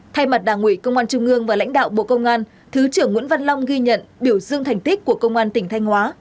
thay mặt đảng ủy công an trung ương và lãnh đạo bộ công an thứ trưởng nguyễn văn long ghi nhận biểu dương thành tích của công an tỉnh thanh hóa